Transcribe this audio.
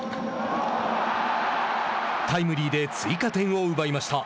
タイムリーで追加点を奪いました。